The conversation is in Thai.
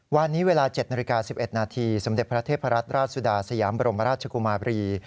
วันนี้เวลา๗นาฬิกา๑๑นาทีสมเด็จพระเทพรัตนราชสุดาสยามบรมราชกุมาบรี